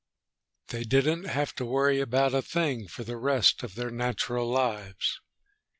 ] They didn't have to worry about a thing for the rest of their natural lives....